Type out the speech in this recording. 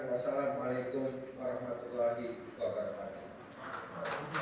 wassalamu'alaikum warahmatullahi wabarakatuh